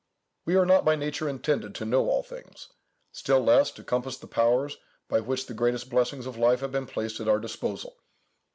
We are not by nature intended to know all things; still less, to compass the powers by which the greatest blessings of life have been placed at our disposal.